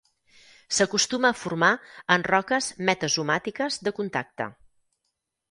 S'acostuma a formar en roques metasomàtiques de contacte.